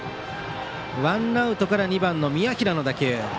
ワンアウトから２番の宮平の打球。